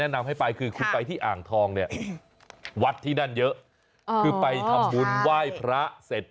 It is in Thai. นำให้ไปคือคุณไปที่อ่างทองเนี่ยวัดที่นั่นเยอะคือไปทำบุญไหว้พระเสร็จ